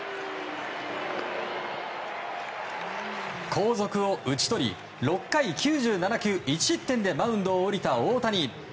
後続を打ち取り６回９７球１失点でマウンドを降りた大谷。